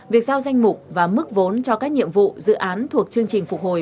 việc giao danh mục và mức vốn cho các nhiệm vụ dự án thuộc chương trình phục hồi